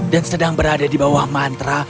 dan sedang berada di bawah mantra